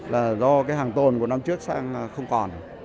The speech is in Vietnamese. là do cái hàng tồn của năm trước sang không còn